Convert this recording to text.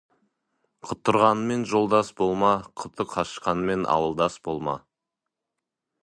Құтырғанмен жолдас болма, құты қашқанмен ауылдас болма.